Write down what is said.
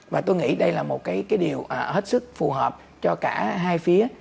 và tôi nghĩ đây là một cái điều hết sức phù hợp cho cả hai phía